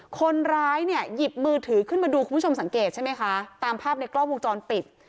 คนร้ายเนี่ยหยิบมือถือขึ้นมาดูคุณผู้ชมสังเกตใช่ไหมคะตามภาพในกล้องวงจรปิด